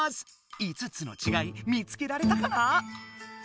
５つのちがい見つけられたかな？